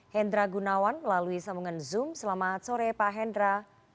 hendra gunawan melalui sambungan zoom selamat sore pak hendra